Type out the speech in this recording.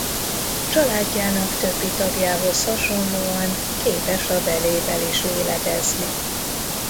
Családjának többi tagjához hasonlóan képes a belével is lélegezni.